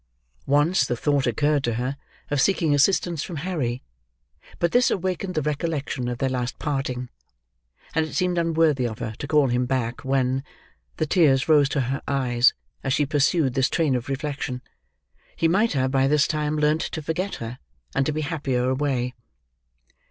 Once the thought occurred to her of seeking assistance from Harry; but this awakened the recollection of their last parting, and it seemed unworthy of her to call him back, when—the tears rose to her eyes as she pursued this train of reflection—he might have by this time learnt to forget her, and to be happier away.